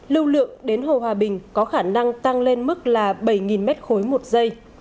lưu lượng đến hồ hòa bình có khả năng tăng lên mức là bảy m ba một giây